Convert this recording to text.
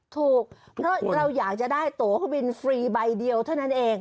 ถูกเพราะเราอยากจะได้โตเครื่องบินฟรีใบเดียวเท่านั้นเอง